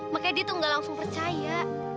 makanya dia tuh gak langsung percaya